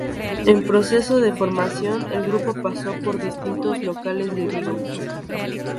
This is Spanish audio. En proceso de formación, el grupo pasó por distintos locales de Vigo.